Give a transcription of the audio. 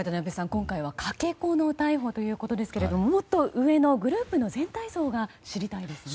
今回は、かけ子の逮捕ということですがもっと上のグループの全体像が知りたいですね。